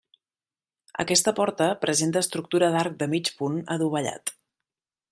Aquesta porta presenta estructura d'arc de mig punt adovellat.